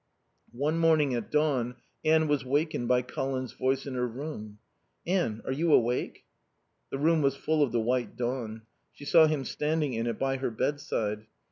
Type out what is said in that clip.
One morning at dawn Anne was wakened by Colin's voice in her room. "Anne, are you awake?" The room was full of the white dawn. She saw him standing in it by her bedside.